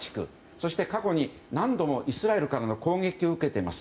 そして、過去に何度もイスラエルからの攻撃を受けています。